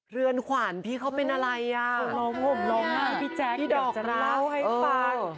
เรือนขวานพี่เขาเป็นอะไรอ่ะห่วงมากพี่แจ๊คพี่ดอกรักเล่าให้ฟัง